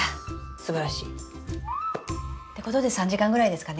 すばらしい。ってことで３時間ぐらいですかね？